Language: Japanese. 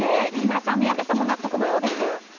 木村さん宮家さんも納得のようです。